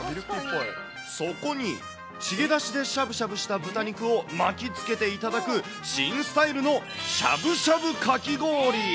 そこにチゲだしでしゃぶしゃぶした豚肉を巻きつけて頂く、新スタイルのしゃぶしゃぶかき氷。